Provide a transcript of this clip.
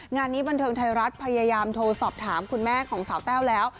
งานนี้บันเทิงไทยรัฐพยายามโทรสอบถามคุณแม่ของสาวแต้วแล้ว